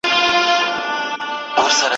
چي نه په ویښه نه په خوب یې وي بګړۍ لیدلې